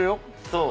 そう。